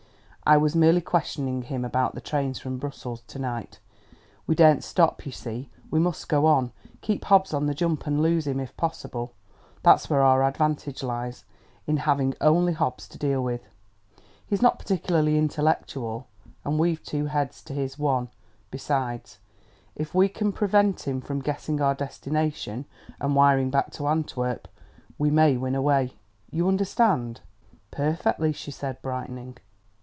"I was merely questioning him about the trains from Brussels to night. We daren't stop, you see; we must go on, keep Hobbs on the jump and lose him, if possible. There's where our advantage lies in having only Hobbs to deal with. He's not particularly intellectual; and we've two heads to his one, besides. If we can prevent him from guessing our destination and wiring back to Antwerp, we may win away. You understand?" "Perfectly," she said, brightening.